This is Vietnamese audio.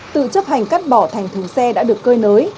tự chấp hành cắt bỏ thành thùng xe đã được cơi nới